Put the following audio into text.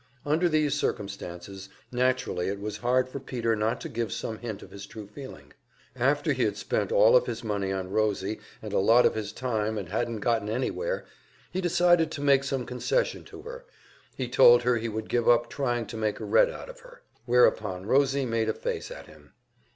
Under these circumstances, naturally it was hard for Peter not to give some hint of his true feeling. After he had spent all of his money on Rosie and a lot of his time and hadn't got anywhere, he decided to make some concession to her he told her he would give up trying to make a Red out of her. Whereupon Rosie made a face at him.